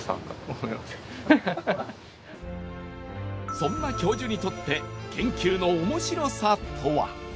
そんな教授にとって研究の面白さとは。